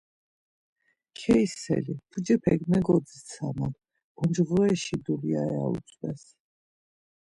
Keiseli, pucepek megodzitsaman, oncğoreşi duyla ya utzves.